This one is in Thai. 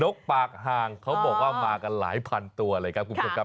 ปากห่างเขาบอกว่ามากันหลายพันตัวเลยครับคุณผู้ชมครับ